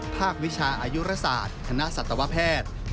วิชาอายุรศาสตร์คณะสัตวแพทย์